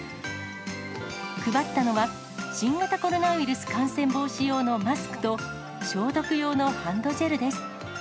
配ったのは、新型コロナウイルス感染防止用のマスクと、消毒用のハンドジェルです。